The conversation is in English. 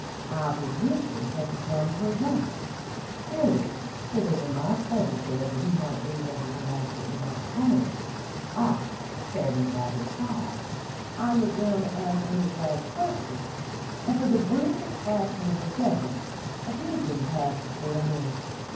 "Our positions had become reversed Billy sitting in my study chair that he might read over what I had written about the planets, I standing by his side. I looked down to answer his last question, and for the briefest fraction of a second a vision passed before me.